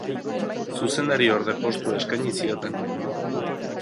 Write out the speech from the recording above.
Zuzendariorde postua eskaini zioten.